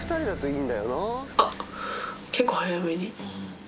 あっ、結構早めに。